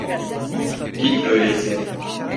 Git öyleyse.